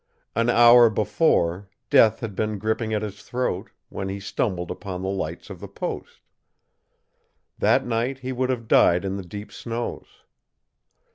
An hour before, death had been gripping at his throat, when he stumbled upon the lights of the post, That night he would have died in the deep snows.